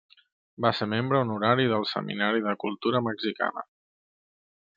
Va ser membre honorari del Seminari de Cultura Mexicana.